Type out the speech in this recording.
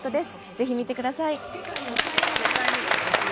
ぜひ見てください。